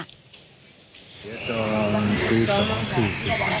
เมื่อกี้ตอนกลาง๔๐นาที